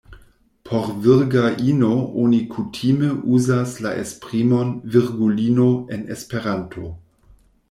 Por virga ino oni kutime uzas la esprimon "virgulino" en Esperanto.